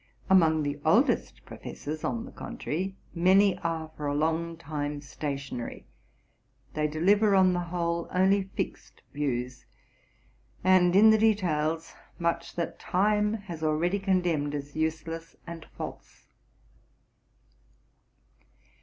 Among the oldest professors, on the contrary, many are for a long time stationary: they deliver on the whole only fixed views, and, in the details, much that time has already condemned as useless and false.